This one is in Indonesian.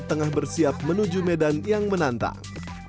tengah bersiap menuju medan yang menantang